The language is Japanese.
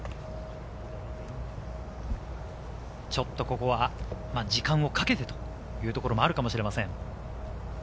ちょっと、ここは時間をかけてというところもあるかもしれません。